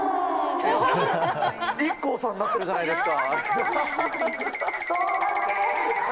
ＩＫＫＯさんになってるじゃないですか。